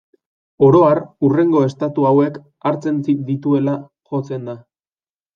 Oro har, hurrengo estatu hauek hartzen dituela jotzen da.